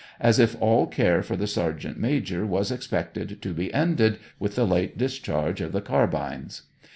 as if all care for the sergeant major was expected to be ended with the late discharge of the carbines.